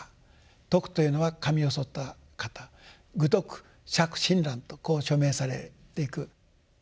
禿というのは髪をそった方「愚禿釈親鸞」とこう署名されていく。